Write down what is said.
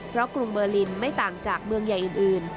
เพราะกรุงเบอร์ลินไม่ต่างจากเมืองใหญ่อื่น